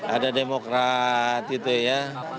ada demokrat gitu ya